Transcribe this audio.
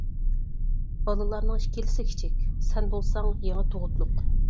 بالىلارنىڭ ئىككىلىسى كىچىك، سەن بولساڭ يېڭى تۇغۇتلۇق.